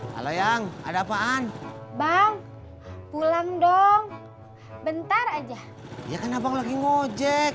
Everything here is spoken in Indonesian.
halo yang ada apaan bang pulang dong bentar aja ya kenapa bang lagi ngojek